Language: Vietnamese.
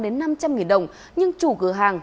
hai trăm linh năm trăm linh nghìn đồng nhưng chủ cửa hàng